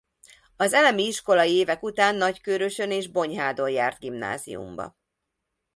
Az elemi iskolai évek után Nagykőrösön és Bonyhádon járt gimnáziumba.